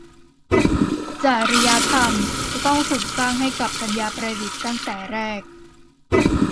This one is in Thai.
จริยธรรมจะต้องถูกสร้างให้กับปัญญาประดิษฐ์ตั้งแต่แรก